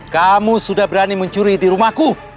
kamu sudah berani mencuri di rumahku